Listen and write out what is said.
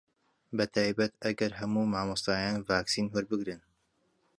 بەتایبەت ئەگەر هەموو مامۆستایان ڤاکسین وەربگرن